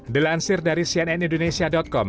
dilansir dari cnn indonesia com